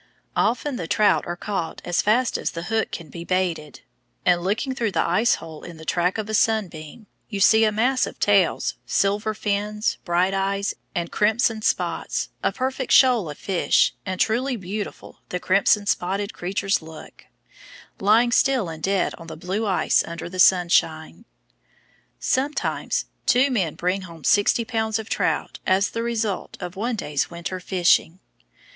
Often the trout are caught as fast as the hook can be baited, and looking through the ice hole in the track of a sunbeam, you see a mass of tails, silver fins, bright eyes, and crimson spots, a perfect shoal of fish, and truly beautiful the crimson spotted creatures look, lying still and dead on the blue ice under the sunshine. Sometimes two men bring home 60 lbs. of trout as the result of one day's winter fishing.